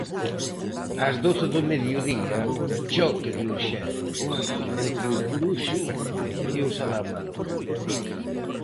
Ás doce do mediodía, choque de urxencias entre o Coruxo e o Salamanca.